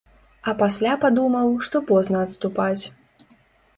А пасля падумаў што позна адступаць.